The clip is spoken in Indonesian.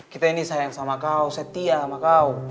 kita ini sayang sama kau setia sama kau